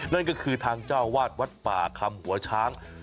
นั่นก็คือทางเจ้าวาดวัดป่าคำหัวช้าง